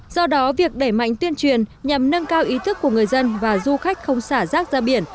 do đó việc đẩy mạnh tuyên truyền nhằm nâng cao ý thức của người dân và du khách không xả rác ra biển